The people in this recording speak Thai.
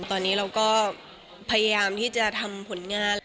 ตอนนี้เราก็พยายามที่จะทำผลงาน